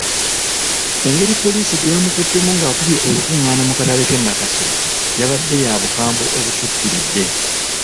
Engeri poliisi gye yamukuttemu ng’akubye olukungaana mu katale k’e Nakasero yabadde ya bukambwe obusukkiridde.